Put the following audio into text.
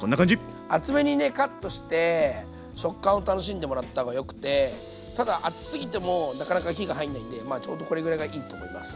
厚めにねカットして食感を楽しんでもらったほうがよくてただ厚すぎてもなかなか火が入んないんでちょうどこれぐらいがいいと思います。